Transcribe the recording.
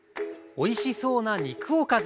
おいしそうな肉おかず。